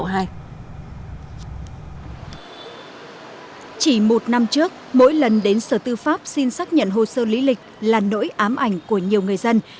chỉ một năm trước mỗi lần đến sở tư pháp xin xác nhận hồ sơ lý lịch là nỗi ám ảnh của nhiều người dân